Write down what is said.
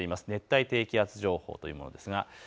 熱帯低気圧情報というものです。